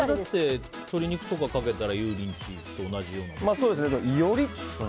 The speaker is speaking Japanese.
鶏肉とかにかけたら油淋鶏と同じような。